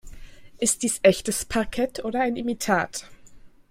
Ist dies echtes Parkett oder ein Imitat?